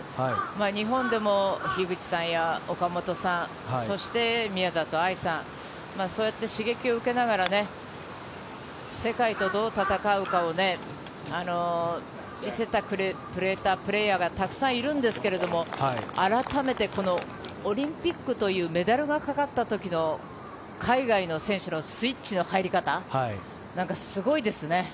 日本でも樋口さんや岡本さん、宮里藍さん、刺激を受けながら、世界とどう戦うかを見せたプレーヤーがたくさんいるんですけれども、改めてこのオリンピックというメダルがかかったときの海外の選手のスイッチが入り方すごいですね。